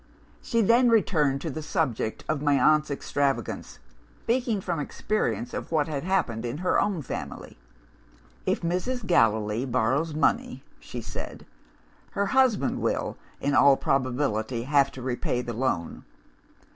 She then returned to the subject of my aunt's extravagance; speaking from experience of what had happened in her own family. 'If Mrs. Gallilee borrows money,' she said, 'her husband will, in all probability, have to repay the loan.